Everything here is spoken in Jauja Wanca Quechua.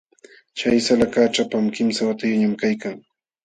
Chay salakaq ćhapam, kimsa watayuqñam kaykan.